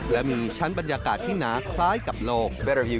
และมีชั้นบรรยากาศที่หนาคล้ายกับโลก